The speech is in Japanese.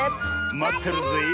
まってるぜえ。